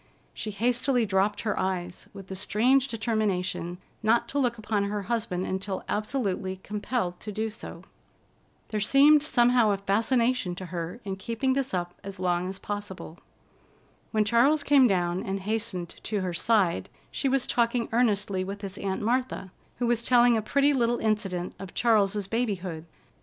She hastily dropped her eyes, with the strange determination not to look upon her husband until absolutely compelled to do so. There seemed somehow a fascination to her in keeping this up as long as possible. When Charles came down and hastened to her side, she was talking earnestly with his Aunt Martha, who was telling a pretty little incident of Charles's babyhood.